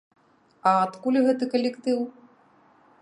А адкуль гэты калектыў?